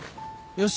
よし